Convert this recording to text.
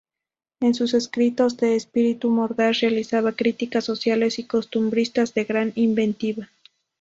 En sus escritos, de espíritu mordaz, realizaba críticas sociales y costumbristas de gran inventiva.